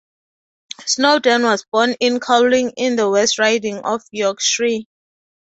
Snowden was born in Cowling in the West Riding of Yorkshire.